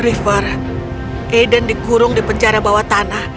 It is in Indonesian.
aiden dikurung di penjara bawah tanah